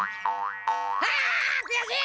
あくやしい！